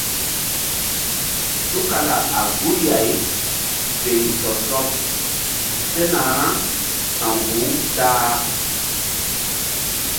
Tukala a guri-ay fe ri sɔ sɔɓ sena ra sa̧wkpuh-u ta-a.